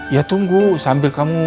ya tunggu sambil kamu